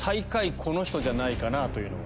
この人じゃないかなというのは。